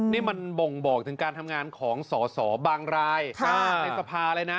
นี่มันบ่งบอกถึงการทำงานของสอสอบางรายในสภาเลยนะ